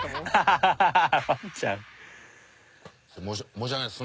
申し訳ないです。